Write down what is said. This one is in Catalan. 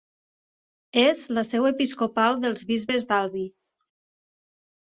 És la seu episcopal dels bisbes d'Albi.